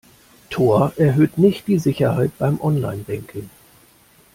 Tor erhöht nicht die Sicherheit beim Online-Banking.